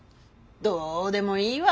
どうでもいいわ。